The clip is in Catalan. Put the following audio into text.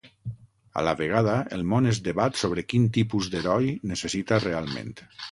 A la vegada el món es debat sobre quin tipus d’heroi necessita realment.